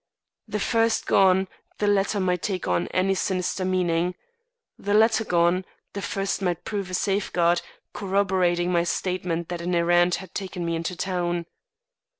The first gone, the latter might take on any sinister meaning. The latter gone, the first might prove a safeguard, corroborating my statement that an errand had taken me into town.